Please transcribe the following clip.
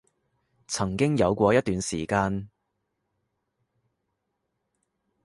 曾經有過一段時間